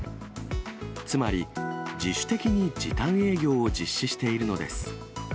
つまり自主的に時短営業を実施しているのです。